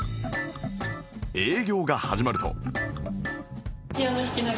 営業が始まると